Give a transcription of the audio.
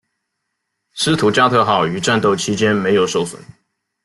斯图加特号于战斗期间没有受损。